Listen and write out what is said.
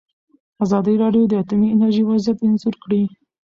ازادي راډیو د اټومي انرژي وضعیت انځور کړی.